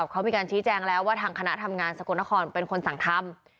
เขามีการชี้แจงแล้วว่าทางคณะทำงานสกลนครเป็นคนสั่งทำ